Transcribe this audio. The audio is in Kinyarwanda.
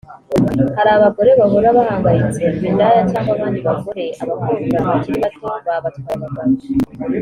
Hari abagore bahora bahangayitse ngo indaya cyangwa abandi bagore/abakobwa bakiri bato babatwaye abagabo